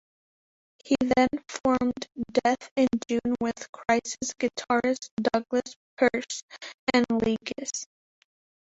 He then formed Death in June with Crisis guitarist Douglas Pearce and Leagas.